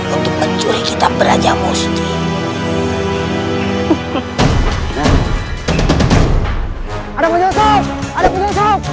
untuk mencuri kita berajamu sendiri